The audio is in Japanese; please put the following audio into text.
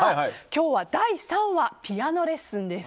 今日は第３話「ピアノレッスン」です。